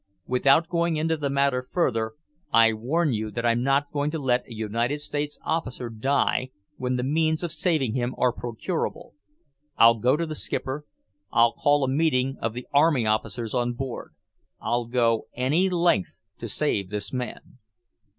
Without going into the matter further, I warn you that I'm not going to let a United States officer die when the means of saving him are procurable. I'll go to the skipper, I'll call a meeting of the army officers on board. I'll go any length to save this man."